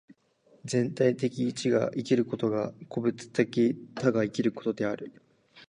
全体的一が生きることが個物的多が生きることである。